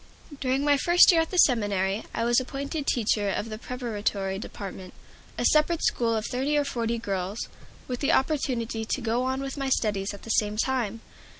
During my first year at the seminary I was appointed teacher of the Preparatory Department, a separate school of thirty or forty girls, with the opportunity to go on with my studies at the same time.